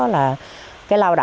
là cái lau đạp